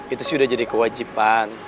itu sih udah jadi kewajiban